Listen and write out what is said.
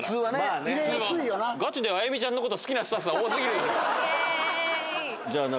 ガチであやみちゃんのこと好きなスタッフが多すぎる。